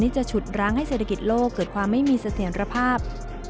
จะฉุดร้างให้เศรษฐกิจโลกเกิดความไม่มีเสถียรภาพ